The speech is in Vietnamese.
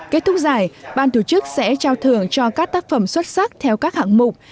kết thúc giải ban tổ chức sẽ trao thưởng cho các tác phẩm xuất sắc theo các hạng mục